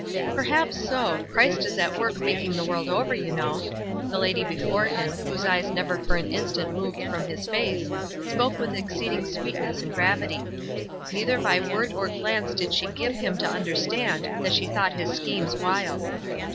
"Perhaps so. Christ is at work making the world over, you know." The lady before him, whose eyes never for an instant moved from his face, spoke with exceeding sweetness and gravity. Neither by word nor glance did she give him to understand that she thought his schemes wild.